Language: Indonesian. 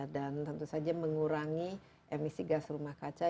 dan tentu saja mengurangi emisi gas rumah kaca